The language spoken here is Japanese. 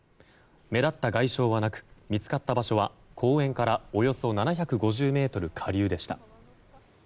目立った外傷はなく見つかった場所は公園からおよそ７５０ｍ下流でした。